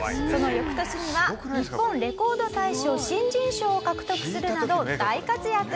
その翌年には日本レコード大賞新人賞を獲得するなど大活躍。